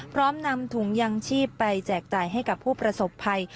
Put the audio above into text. พร้อมนำถุงยังชีพไปแจกจ่ายให้กับผู้ประสบภัย